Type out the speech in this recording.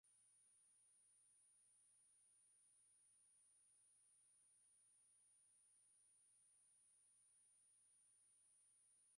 mwangalizi kutoka baraza la maaskofu nchini tanzania tihisin lilian tibuku